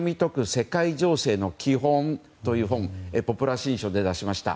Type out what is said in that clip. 世界情勢のきほん」という本をポプラ新書で出しました。